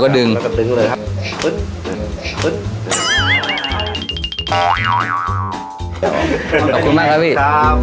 ขอบคุณมากครับอิส